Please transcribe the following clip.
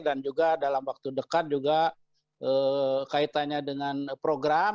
dan juga dalam waktu dekat juga kaitannya dengan program